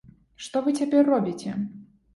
Што вы цяпер робіце?